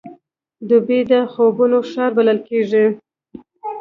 دوبی د خوبونو ښار بلل کېږي.